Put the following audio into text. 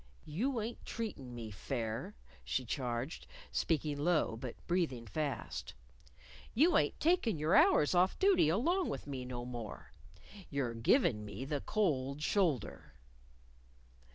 "You ain't treatin' me fair," she charged, speaking low, but breathing fast. "You ain't takin' your hours off duty along with me no more. You're givin' me the cold shoulder."